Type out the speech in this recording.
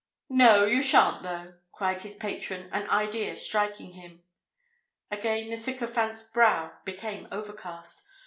"No—you shan't, though," cried his patron, an idea striking him. Again the sycophant's brow became overcast.